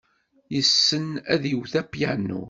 Yessen ad iwet apyanu.